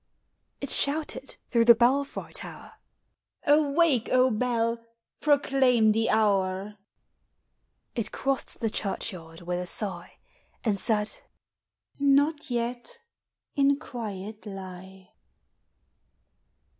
" It shouted through the belfry tower, " Awake, O bell ! proclaim the hour." It crossed the churchyard with a sigh, And said, ''Not yet! in quiet lie."